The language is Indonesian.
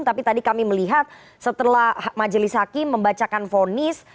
tapi tadi kami melihat setelah majelis hakim membacakan fonis